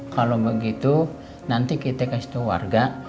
kalau begitu nanti kita kasih ke warga